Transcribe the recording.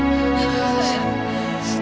kau tidak akan mencoba ini mami